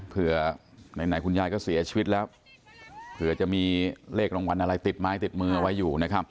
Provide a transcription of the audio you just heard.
ไหนคุณยายก็เสียชีวิตแล้วเผื่อจะมีเลขรางวัลอะไรติดไม้ติดมือไว้อยู่นะครับ